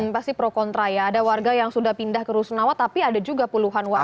pasti pro kontra ya ada warga yang sudah pindah ke rusunawa tapi ada juga puluhan warga